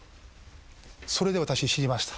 それで私知りました。